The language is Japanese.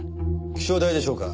気象台でしょうか？